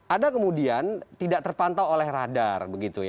ada kemudian tidak terpantau oleh radar